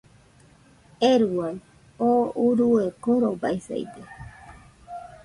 ¡Euruaɨ! oo urue korobaisaide